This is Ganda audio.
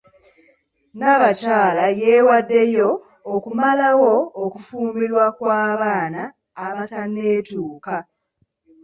Nnaabakyala yeewaaddeyo okumalawo okufumbirwa kw'abaana abatanneetuuka.